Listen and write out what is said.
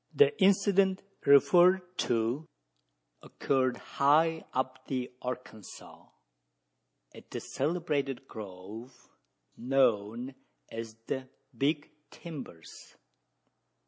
The incident referred to occurred high up the Arkansas, at the celebrated grove known as the "Big Timbers."